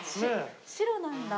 白なんだ。